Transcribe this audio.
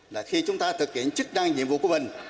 là khi chúng ta thực hiện chức năng nhiệm vụ của mình